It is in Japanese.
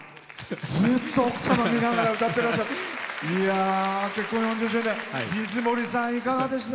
ずっと奥様、見ながら歌ってらっしゃった。